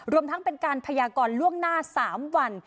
รวมทั้งเป็นการพยากรล่วงหน้า๓วัน